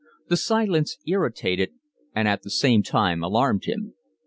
The silence irritated and at the same time alarmed him.